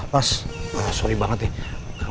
mas sorry banget ya